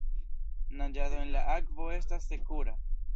Naĝado en la akvo estas sekura.